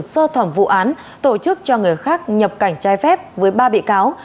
sơ thẩm vụ án tổ chức cho người khác nhập cảnh trái phép với ba bị cáo